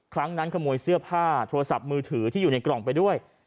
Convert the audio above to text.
ครั้งนั้นขโมยเสื้อผ้าโทรศัพท์มือถือที่อยู่ในกล่องไปด้วย